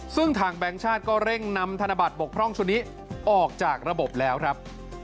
ซึ่งทางแบงค์ชาติก็เร่งนำธนบัตรบกพร่องชุดนี้ออกจากระบบแล้วครับ